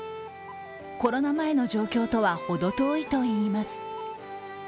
コロナ前の状況とはほど遠いといいます。